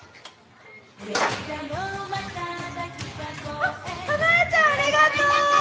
あっ早苗ちゃんありがとう！